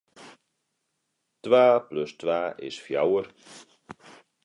Twa plus twa is fjouwer.